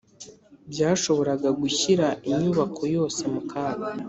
byashoboraga gushyira inyubako yose mu kaga